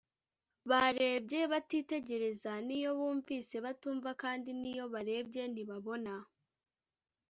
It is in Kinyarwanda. barebye batitegereza n iyo bumvise batumva kandi niyo barebye ntibabona